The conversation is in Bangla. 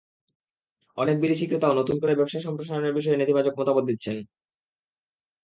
অনেক বিদেশি ক্রেতাও নতুন করে ব্যবসা সম্প্রসারণের বিষয়ে নেতিবাচক মতামত দিচ্ছেন।